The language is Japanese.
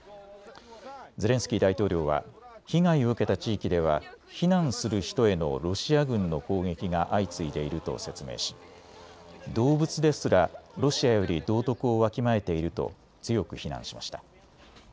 ゼレンスキー大統領は被害を受けた地域では避難する人へのロシア軍の攻撃が相次いでいると説明し動物ですらロシアより道徳をわきまえていると強く非難しました。